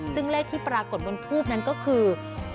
ซึ่งเลขที่ปรากฏบนทูปนั้นก็คือ